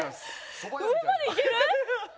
上までいける？